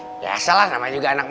udah sekarang aku makan